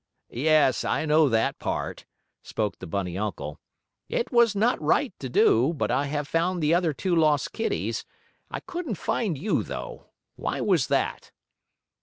"Yes, I know that part," spoke the bunny uncle. "It was not right to do, but I have found the two other lost kitties. I couldn't find you, though. Why was that?"